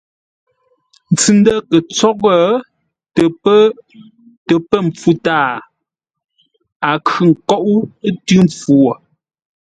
Ntsʉ-ndə̂ kə̂ ntsóghʼə́ tə pə̂ mpfu tâa, a khʉ̂ ńkóʼó tʉ́ mpfu wo.